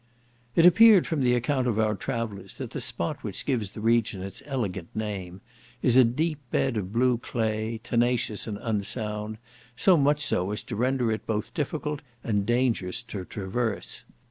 It appeared from the account of our travellers, that the spot which gives the region its elegant name is a deep bed of blue clay, tenacious and unsound, so much so as to render it both difficult and dangerous to traverse.